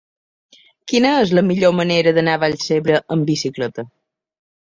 Quina és la millor manera d'anar a Vallcebre amb bicicleta?